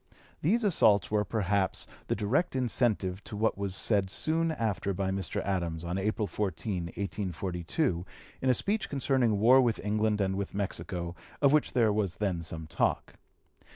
These assaults were perhaps the direct incentive to what was said soon after by Mr. Adams, on April 14, 1842, in a speech concerning war with England and with Mexico, of which there was then some talk.